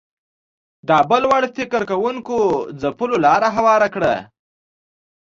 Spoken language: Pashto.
دا بل وړ فکر کوونکو ځپلو لاره هواره کړه